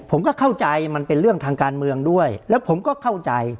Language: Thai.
ผมก็เข้าใจมันเป็นเรื่องทางการเมืองด้วยแล้วผมก็เข้าใจ